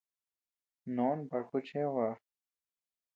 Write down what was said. Noʼó nbaku chebäa.